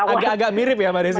agak agak mirip ya mbak desi